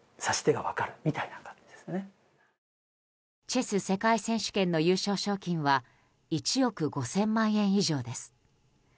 チェス世界選手権の優勝賞金は１億５０００万円以上です。